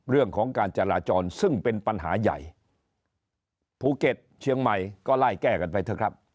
เรื่องของการจราจรซึ่งเป็นปัญหาใหญ่ภูเก็ตเชียงใหม่ก็ไล่แก้กันไปเถอะครับ